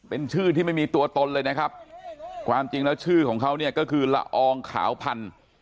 เป็นชื่อที่ไม่มีตัวตนเลยนะครับความจริงแล้วชื่อของเขาเนี่ยก็คือละอองขาวพันธุ์